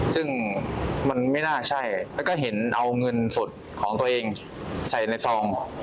ซึ่งมันไม่น่าใช่แล้วก็เห็นเอาเงินสดของตัวเองใส่ในซอง